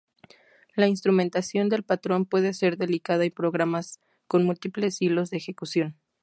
La instrumentación del patrón puede ser delicada en programas con múltiples hilos de ejecución.